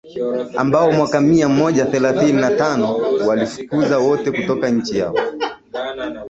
ambao mwaka mia moja thelathini na tano waliwafukuza wote kutoka nchi yao